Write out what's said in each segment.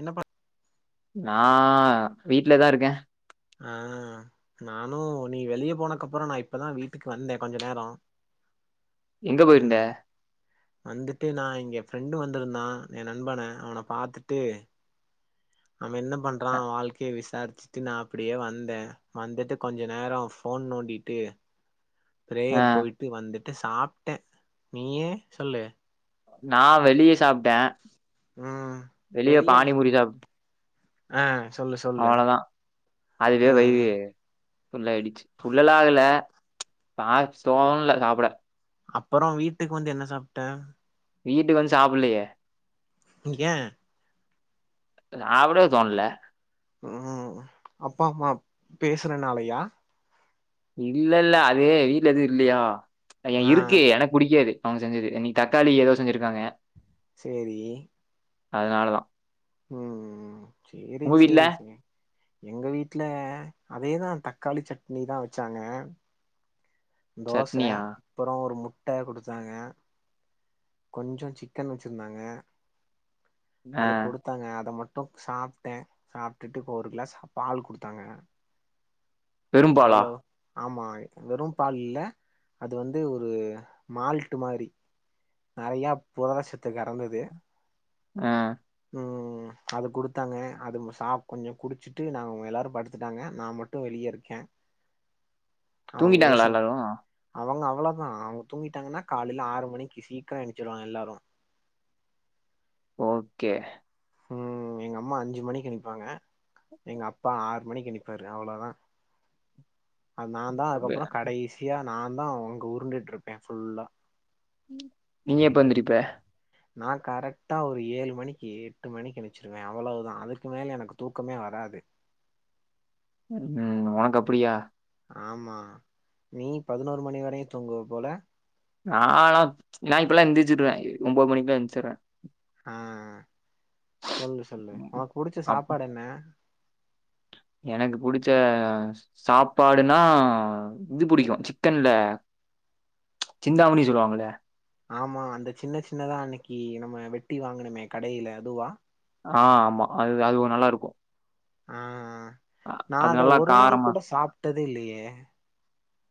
என்னப்பா நா வீட்லதா இருக்கே ஆஹ் நானு நீ வெளிய போனக்கப்றொ நா இப்பதா வீட்டுக்கு வந்தே கொஞ்ச நேரோ எங்க பொயிருந்த ம் வந்துட்டு நா இங்க ஃப்ரெண்டு வந்திருந்தா என் நண்பன அவன பாத்துட்டு அவ என்ன பண்றா அ வாழ்க்கைய விஸ் சார் ஸ்டினா அப்டியே வந்தே வந்துட்டு கொஞ்ச நேரம் போன் நோண்டிட்டு ஆ பிரேயர் போயிட்டு வந்துட் சாப்ட்டே நீயே சொல்லு நா வெளிய சாப்ட்டே ம் வெளிய பானி பூரி சாப் அஹ் அவ்ளதா அதுவே வைவே ஃபுல்லாயிடுச்சு ஃபுல்லல்லா ஆகல [unintelligible] தோண்ல சாப்புட அப்பறோ வீட்டுக்கு வந்து என்ன சாப்ட்ட வீட்டுக்கு வந்து சாப்புலையே ங்ய சாப்டவே தோண்ல ம் அப்பா அம்மா பேசறனாலயா இல்லல்ல அது வீட்ல எதுவு இல்லையா ஆ இருக்கு எனக் புடிக்காது அவங்க செஞ்சது நீ தக்காளி ஏதோ செஞ்சிருக்காங்க சேரி அதனாலதா ம் சேரி வீட்ல சேரி செரி எங்க வீட்ல அதேதா தக்காளி சட்னிதா வச்சாங்க தோச சட்னியா அப்பறோ ஒரு மு ட்டாய குடுத்தாங்க கொஞ்ச சிக்கன் வச்சிருந்தாங்க ஆ அது கொடுத்தாங்க அத மட் போ சாப்ட்டே சாப்டுட்டு இப்போ ஒரு கிளாஸ் பால் குடுத்தாங்க வெறும்பாலா அவ்வளோ ஆமா வெறும் பால்ல அது வந்து ஒரு மால்ட் மாரி நெறையா புரதசத்து கறந்தது அ ம் அது குடுத்தாங்க அது சா கொஞ்ச குடுச்சுட்டு நாங்க எல்லாரு படுத்துட்டாங்க நா மட்டு வெளியருக்கே தூங்கிட்டாங்ளா எல்லாரு அவ்ளோதா அவங் தூங்கிட்டாங்கன்னா காலைல ஆறு மணிக்கு சீக்கிர எஞ்சிருவாங்க எல்லாரு ஓகே ம் எங்கம்மா அஞ்சு மணிக்கி நிப்பாங்க எங்க அப்பா ஆ மணிக்கு நிப்பாரு அவ்ளோதா அ நாந்தா அப்ப அதுகப்றோ கடைசியா நாந்தா அ உருண்டுட்ருப்பே ஃபுல்லா நீங்க எப்ப எந்திரிப்ப நா கரெக்ட்டா ஒரு ஏழு மணிக்கி எட்டு மணிக்கு எந்ருச்சுருவே அவ்ளோவ்தா அதுக்கு மேல எனக்கு தூக்கமே வராது ம் ஒனக்கு அப்படியா ஆமா நீ பதினொரு மணி வரையு தூங்குவ போல நாலா ச் நா இப்பல்லா எந்திச்சிட்ற ஒம்பது மணிக்குலா எந்திச்சிட்ற ஆ சொல்லு சொல்லு ஒனக்கு புடுச்ச அப் சாப்பாடென்ன எனக்கு புடுச்ச சாப்பாடுன்னா இது புடிக்கு சிக்கன்ல ச் சிந்தாமணி சொல்லுவாங்கள ஆமா அந்த சின்ன சின்னதா அன்னக்கி நம்ம வெட்டி வாங்குனமே கடையில அதுவா ஆ ஆமா அது அது ஒ நல்லாருக்கு ஆஹ் ஆஹ் நா அத ஒரு நாள் காரமா கூட சாப்பிட்டதே இல்லையே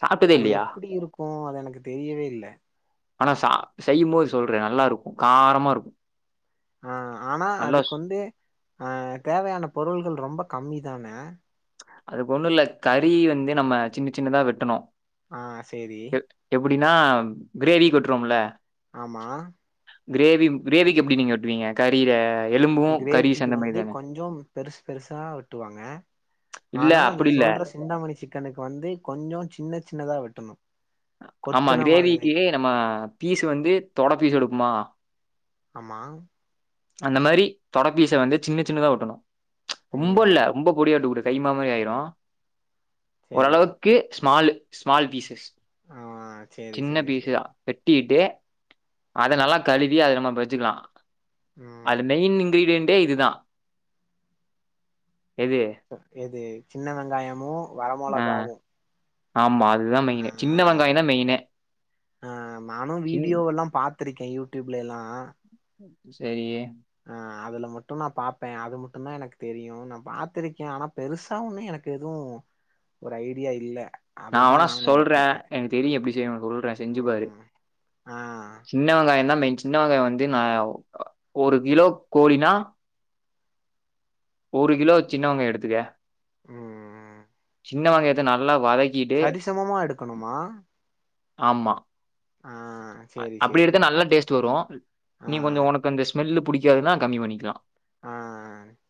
சாப்ட்டதே அது இல்லையா? எப்டி இருக்கு அது எனக்கு தெரியவே இல்ல சொல்றே நல்லா இருக்கும் காரமா இருக்கு ஆஹ் ஆனா அதுக்கு வந்து அஹ் தேவையான பொருள்கள் ரொம்ப கம்மி தான அதுக்கு ஒண்ணு இல்ல கறி வந்து நம்ம சின்ன சின்னதா வெட்டணும் ஆஹ் செரி அப்படின்னா கிரேவி வெட்டுரோம்ல ஆமா கிரேவி கிரேவிக்கு எப்படி நீங்க வெட்டுவீங்க கறில எலும்பும் கறி கிரேவிக்கு சேந்த மாரி வந்து தானே? கொஞ்சம் பெருசு பெருசா வெட்டுவாங்க இல்ல ஆனா நீ அப்டி இல்ல. சொல்ற சிந்தாமணி சிக்கனுக்கு வந்து கொஞ்சம் சின்ன சின்னதா வெட் ஆமா கிரேவிக்கு நம்ம ஃபீஸ் வந்து தொட ஃபீஸ் எடு மா ஆமா அந்த மாதிரி தொட ஃபீஸ்ச வந்து சின்ன சின்னதா வெட்டணும் ச் ரொம்ப இல்ல ம் ரொம்ப பொடிய வெட்டக்கூடாது கைமா மாதிரி ஆயிடு சேரி ஓரளவுக்கு ஸ்மால் ஸ்மால் பீஸ்சஸ் ஆ சேரி சின்ன சேரி சேரி பீஸா வெட்டிட்டு அத நல்லா கழுவி அத நம்ம பொறிச்சுக்கலா ம் அது மெயின் இங்கிர்டியன்ட் யே இதுதா எது சின்ன வெங்காயமு வர ஆ மொழகாவூ ஆமா அதுதா மெயின சின்ன வெங்காயம் தா மெயின்னே சின் திருக்கே யூடியூப்ல எல்லா ஆ செரி ஆ அதில மட்டும் நா பார்ப்பே அது மட்டும் தான் எனக்கு தெரியும் நா பார்த்திருக்கேன் ஆனா பெருசா ஒன்னும் எனக்கு எதுவும் ஒரு ஐடியா இல்ல நா அதுதா வேனா நானு சொல்றே விட்டுட்டே எனக்கு தெரியும் எப்படி செய்யனு சொல்றே செஞ்சு பாரு ம் ஆ சின்ன வெங்காயதா மெயி சின்னவெங்காயம் வந்து ஆ ஒரு கிலோ கோழினா ஒரு கிலோ சின்னவெங்காய எடுத்துக்க ம் ம் சின்னவெங்கயத்த நல்லா வதக்கி சரிசமம்மா எடுக்கணுமா ஆமா ஆ சேரி அப்படி சேரி எடுத்த நல்லா டேஸ்ட் வரும் ஆ நீ கொஞ்சம் உனக்கு அந்த ஸ்மெல்லு புடிக் காதுனா கம்மி பண்ணிக்கலாம் ஆ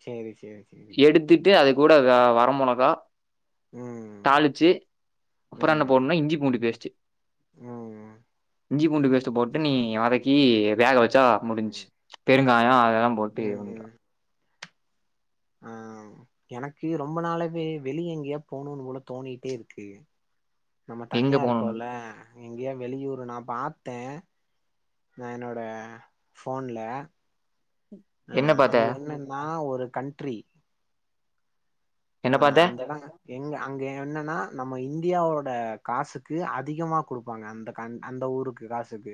சேரி சேரி சேரி கூடகா வரமுளகா ம் தாளிச்சி அப்புறம் என்ன ம் போடும்னா இஞ்சி பூண்டு பேஸ்டு ம் இஞ்சி பூண்டு பேஸ்டு போட்டு நீ வதக்கி வேக வச் சா முடிஞ்சு ம் பெருங்காயம் அதெல்லாம் போட்டு இது ம் பண்ணிக்கலாம் ஆ எனக்கு ரொம்ப நாளவே வெளிய எங்கேயா போணும்னு போல தோணிட்டே இருக்கு நம்ம எங்க தனியா போணுனு இருக்கோல எங்கேயா வெளியூர் நான் பாத்தேன் நான் என்னோட போன்ல ஆ என்ன பாத்த அங்க என்னன்னா ஒரு ஒரு கன்ட்ரி என்ன ஆ பாத்த அந்தெடம் எங்க அங்க என்னன்னா நம்ம இந்தியாவோட காசுக்கு அதிகமா கொடுப்பாங்க அந்த கண் அந்த ஊருக்கு காசுக்கு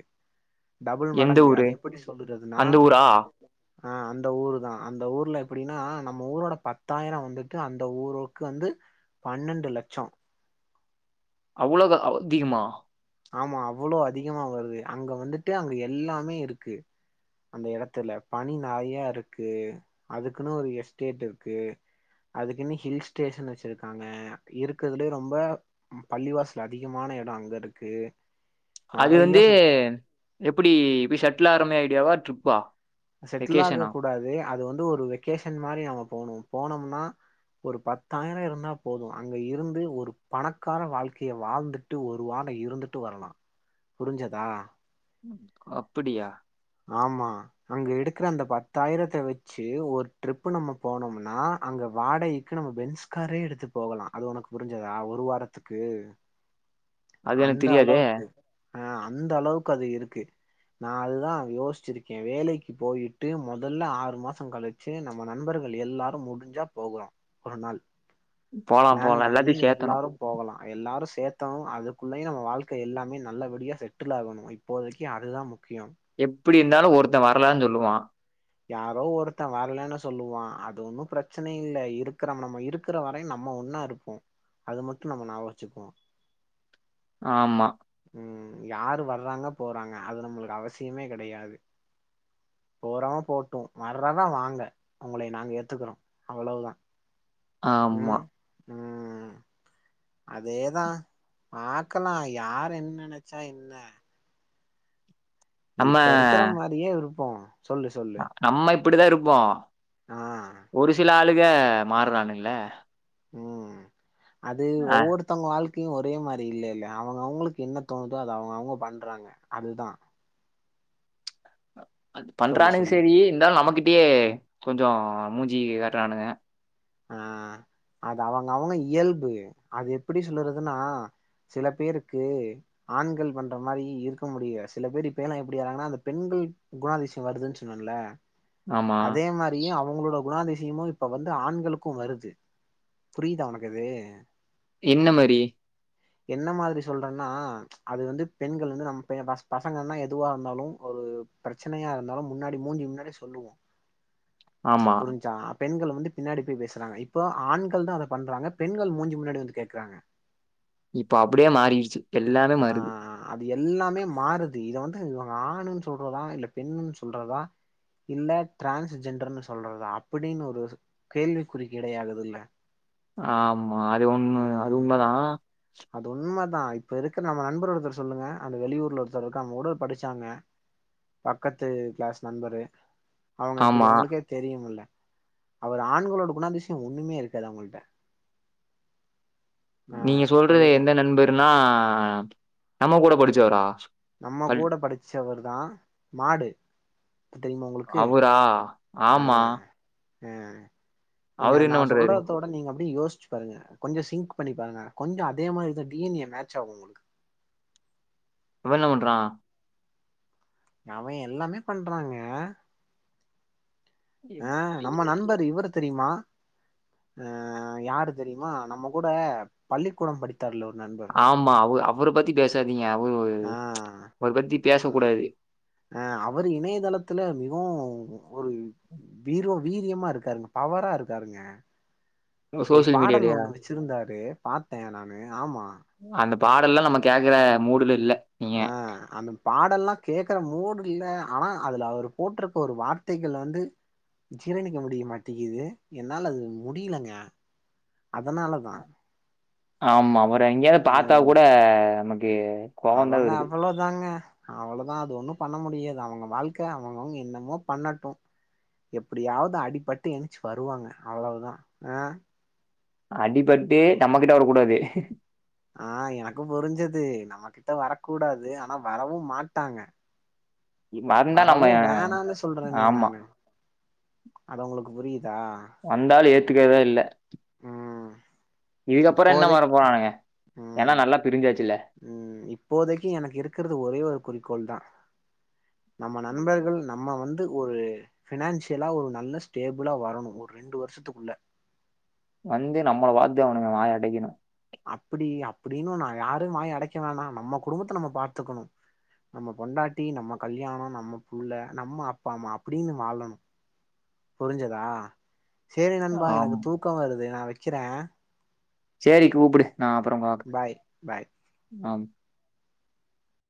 டபுள் எந்த மடங்கு ஊரு அது எப்படி சொல்றதுன்னா அந்த ஊரா ஆ அந்த ஊரு தான் அந்த ஊர்ல எப்படின்னா நம்ம ஊரோட பத்தாயிரம் வந்து அந்த ஊருக்கு வந்து பன்னெண்டு லட்சம் அவ்வளோகு [unintelligible] அதிகமா ஆமா அவ்ளோ அதிகமா வருது அங்க வந்துட்டு அங்க எல்லாமே இருக்கு அந்த எடத்துல பணி நிறையா இருக்கு அதுக்குன்னு ஒரு எஸ்டேட் இருக்கு அதுக்குன்னு ஹில் ஸ்டேஷன் வச்சிருக்காங்க இருக்குதுலயே ரொம்ப பள்ளிவாசல் அதிகமான இடம் அங்க இருக் க்கு அது வந்து எப்பிடி விசன் எல்லாருமே ஐடியாவா ட்ரிப்பா செட்டில் ஆக வெக்கேஷனா கூடாது அது வந்து அது ஒரு வெக்கேஷன் மாரி நாம போனும் போனோம்னா ஒரு பத்தாயிரம் இருந்தா போதும் அங்க இருந்து ஒரு பணக்கார வாழ்க்கைய வாழ்ந்துட்டு ஒரு வாரம் இருந்துட்டு வரலாம் புரிஞ்சதா அப்படியா ஆமா அங்க எடுக்கிற அந்த பத்தாயிரத்த வச்சி ஒரு ட்ரிப்பு நம்ம போனோம்னா அங்க வாடகைக்கு நம்ம பென்ஸ்காரே எடுத்து போகலாம் அது உனக்கு புரிஞ்சதா ஒரு வாரத்துக்கு அது எனக்கு அந்த தெரியாதே அளவுக்கு ஆஹ் அந்த அளவுக்கு அது இருக்கு நா அதுதா யோசிச்சிருக்கே வேலைக்கு போயிட்டு மொதல்ல ஆறு மாசோ கழிச்சு நம்ம நண்பர்கள் எல்லாரும் முடிஞ்சா போறோ ஒரு நாள் போலா போகலா எல்லாத்தையு சேத்தனு எல்லாரு சேத்தோ அதுப் குள்ளயு நம்ம வாழ்க்க எல்லாமே நல்லபடியா செட்டில் ஆகணு இப்போதைக்கி அது தா முக் கியம் இப்புடி இருந்தாலு ஒருத்த வரல சொல்லுவா யாரோ ஒருத்த வரலன்னு சொல்லுவா அது ஒன்னு பிரச்சன இல்ல இருக்கற நம்ம இருக்கற வரையு நம்ம ஒன்னா இருப்போ அது மட்டு நம்ம ஞாபம் வச்சுபோ ஆமா ம் யாரு வர்றாங்க போறாங்க அது நம்மளுக்கு அவசியமே கெடையாது போறவ போட்டு வர்றவ வாங்க உங்களை நாங்க ஏத்துக்குறோ அவ்ளோவுதா ஆமா உம் அதேதா பாக்கலா யார் என்ன நெனைச்சா என்ன நம்ம இப்ப இருக்கற மாரியே இருப் போ சொல்லு சொல்லு அப்புடிதா இருப்போ ஆ ஒரு சில ஆளுக் ளுங்க மாறுறானுங்கள உம் அது ஒவ்வொருத்தவங்க வாழ்க் க்கு ஒரே மாரி இல்லேல்ல அவுங்கவுங்களுக்கு என்ன தோணுதோ அது அவுங்கவுங்க பண்றாங்க அதுதா அது சொல்லு பண்றானுங்க சொல்லு செரி இருந்தாலு நமக்கிட் அப்டியே கொஞ்சோ மூஞ்சி கட்டுறானுங்க ஆஹ் அது அவுங்கவுங்க இயல்பு அது எப்புடி சொல்றதுன்னா சில பேருக்கு ஆண்கள் பண்ற மாரியே இருக்க முடியல சில பேர் இப்ப எல்லா எப்புடி ஆறாங்கன்னா அந்த பெண்கள் குணாதிசயோ வருதுன்னு சொன்னேன்ல ஆமா. அதே மாரி அவுங்களோட குணாதிசிய நிச்சயமா இப்ப வந்து ஆண்களுக் க்கும் வருது புரியுதா உனக்கு அது என்ன மாரி என்ன மாதிரி சொல்றன்னா அது வந்து பெண்கள் வந்து நம்ம பசங்கனா எதுவா இருந்தாலு ஒரு பிரச்சனையா இருந்தாலு முன்னாடி மூஞ்சு முன்னாடி சொல்லுவோ ஆமா. புரிஞ்சிச்சா பெண்கள் வந்து பின்னாடி போயி பேச இப்போ ஆண்கள் தா அதப் பண்றாங்க பெண்கள் மூஞ்சு முன்னாடி வந்து கேக்கறாங்க இப்போ அப்புடியே மாறிடுச்சு எல்லாமே ஆ மாறுது அது எல்லாமே மாறுது இத வந்து ஆணுனு சொல்றதா இல்ல பெண்ணுனு சொல்றதா இல்ல ட்ரான்ஸ் ஜென்டர் சொல்றதா அப்புடின்னு ஒரு கேள்வி குறுக்கிடையாதுல்ல ஆஹ் அ அது உண்ம அது உண்மதா அது உண்மதான் இப்ப இருக்கிற நம்ம நண்பர் ஒருத்தர் சொல்லுங்க அந்த வெளியூர்ல ஒருத்தர் இருக்கா அவங்க கூட படிச்சாங்க பக்கத்து கிளாஸ் நண்பரு அவங்க ஆமா. எப்பிடி உங்களுக்கே தெரியும்ல அவர் ஆண்களோட குணாதிசயம் ஒண்ணுமே இருக்காது அவங்கிட்ட நீங்க சொல்றது அதுதான் எந்த நண்பர்னா நம்ம கூட படிச்சவரா நம்ம பள்ளி கூட படிச்சவரு தா மாடு தெரியுமா உங்களுக்கு அவுரா ஆமா உம் நீங்க அவரு அது என்ன நா பண்றாரு? சொல்றதோட நீங்க யோஸ்ச்சு பாருங்க கொஞ்சோ சிங்க் பண்ணி பாருங்க கொஞ்சோ அதே மாரி தா டி என் ஏ மேட்ச் ஆவும் உங்களுக்கு இவ என்ன பண்றா அவெ எல்லாமே பண்றாங்க எ- ஆஹ் நம்ம எ- நண்பர் இவ்ர தெரியுமா அ அ யாரு தெரியுமா நம்ம கூட பள்ளிக்கூடம் படிச் தெர்ல ஒரு நண்பர் அவ்ர பத்தி பேச இவங்க அவ்ளோ ஒரு ஆ ஒரு அவுரு பத்தி பேசக் கூடாது ஆ அவரு இணையதளத்துல ஒரு வீரே வீரியமா இருக்காருங்க பவரா இருக்காருங்க ஒரு சோசியல் பாடல் மீடியாலயா? ஒண்ணு வச்சிருந்தாரு பாத்தே நானு ஆமா பாடெல்லா நம்ம கேக்குற மூடுல இல்ல நீங்க ஆஹ் அந்தம் பாடெல்லா கேட்கற மூடு இல்ல ஆனா அதுல அவ்ரு போட்டிருக்க ஒரு வார்த்தைகள் வந்து ஜீரணிக்க முடிய மாட்டிகிது என்னால அது முடியலைங்க அதனால தா ஆமா வட் இப்ப எங்கியாவது பாத்தா கூட நமக்கு கோவோ தா வருது அவ்ளோதா அது ஒண்ணு பண்ண முடியாது அவ்ங்க வாழ்க்க அவுங்கவங்க என்னமோ பண்ணட்டு எப்டியாவது அடிபட்டு எந்திரிச்சு வருவாங்க அவ்வளோ தா அஹ் அடிப் பட்டே நம்மகிட்ட வரக்கூடாது ஆ எனக்கும் புரிஞ்சது நம்ம கிட்ட வரக் கூடாது ஆனா வரவும் மாட்டாங்க இ மரந் தா நம்மய வரவும் வேணான்னு சொல்றேனே ஆமா நானு. அது அவுங்களுக்கு புரியி வந்தால் ஏற் [unintelligible] இல்ல ம் இதுக்கப்புறம் என்ன மாற இப்போதைக் போறானுங்க? ஏன்னா உம் நல்லா பிரிஞ்சாச்சுல்ல. உம் இப்போதைக்கி எனக்கு இருக்குறது ஒரே ஒரு குறிக்கோள்தா நம்ம நண்பர்கள் நம்ம வந்து ஒரு ப்னான்சியலா ஒரு நல்ல ஸ்டேபிளா வரணு ஒரு ரெண்டு வருஷத்துக்குள்ள வந்து நம்மள பாத்து அவுனுங்க வாய அடைக்கணு அப்புடி அப்புடின்னு நா யாருமா வாய அடைக்க வேணா நம்ம குடும்பத்த நம்ம பாத்துக்கணும் நம்ம பொண்டாட்டி நம்ம கல்யாணோ நம்ம புள்ள நம்ம அப்பா அம்மா அப்டின்னு வாழணு புரிஞ்சுதா சேரி நண்பா எனக்கு ஆமா. தூக்கம் வருது நா வைக் க்கிற சேரி கூப்புடு நா அப்பறம் பாக் பாய் பாய் ஆம்